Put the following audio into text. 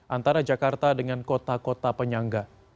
antara jakarta dengan kota kota penyangga